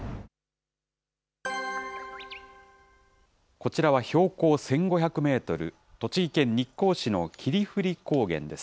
こちらは標高１５００メートル、栃木県日光市の霧降高原です。